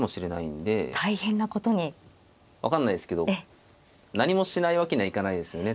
分かんないですけど何もしないわけにはいかないですよね